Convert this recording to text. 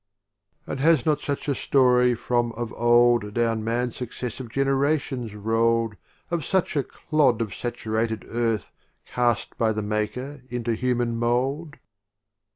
XXXVIII. And has not such a Story from of Old Down Man's successive generations roll'd Of such a clod of saturated Earth Cast by the Maker into Human mould